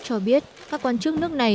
cho biết các quan chức nước này